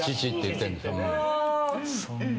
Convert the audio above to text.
そんな。